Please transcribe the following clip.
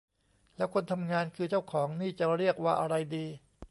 แล้วคนทำงานคือเจ้าของ นี่จะเรียกว่าอะไรดี